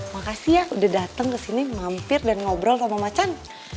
makasih ya udah dateng kesini mampir dan ngobrol sama macan